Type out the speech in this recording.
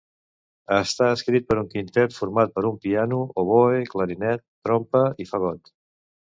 Està escrit per un quintet format per un piano, oboè, clarinet, trompa i fagot.